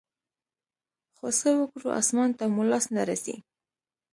خو څه وكړو اسمان ته مو لاس نه رسي.